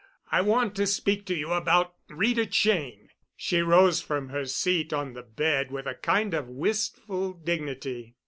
I want to speak to you about Rita Cheyne." She rose from her seat on the bed with a kind of wistful dignity.